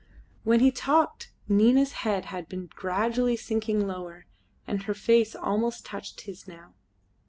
While he talked, Nina's head had been gradually sinking lower, and her face almost touched his now.